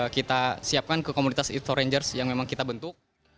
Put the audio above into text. kita siapkan ke komunitas eat orangers yang memang kita bentuk